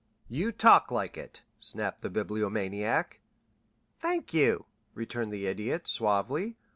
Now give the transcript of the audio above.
"You talk like it," snapped the Bibliomaniac. "Thank you," returned the Idiot, suavely.